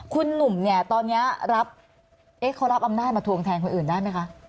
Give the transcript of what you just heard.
คุณหนุ่มเนี่ยตอนนี้รับเขารับอำนาจมาทวงแทนคนอื่นได้ไหมคะ